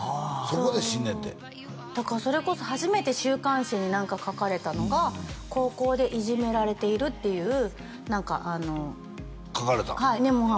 そこで知んねんてだからそれこそ初めて週刊誌に何か書かれたのが高校でいじめられているっていう何かあの書かれたん？